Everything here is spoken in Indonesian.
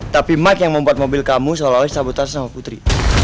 tapi mike yang membuat mobil kamu seolah olah sabutan sama putri